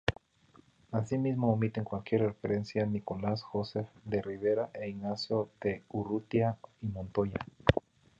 Asimismo omiten cualquier referencia Nicolás Joseph de Ribera e Ignacio de Urrutia y Montoya.